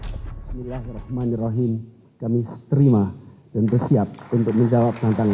bismillahirrahmanirrahim kami terima dan bersiap untuk menjawab tantangan